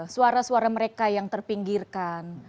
suara suara mereka yang terpinggirkan